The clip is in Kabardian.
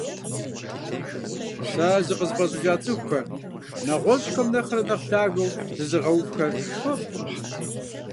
Сэ зыкъызыфӏэщӏыжа цӏыхухэр, нэгъуэщӏхэм нэхърэ нэхъ лъагэу зызыгъэувхэр сфӏэфӏкъым.